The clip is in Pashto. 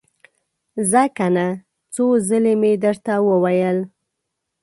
ځه کنه! څو ځلې مې درته وويل!